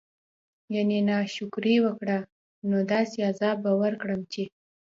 يعني نا شکري وکړه نو داسي عذاب به ورکړم چې